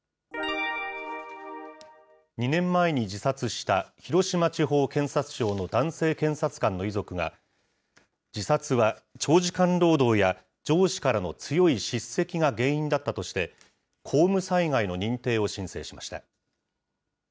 ２年前に自殺した広島地方検察庁の男性検察官の遺族が、自殺は長時間労働や上司からの強い叱責が原因だったとして、公務災害の認定を申請しました。